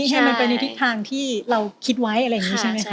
ใช่มันไปในทิศทางที่เราคิดไว้อะไรอย่างนี้ใช่ไหมคะ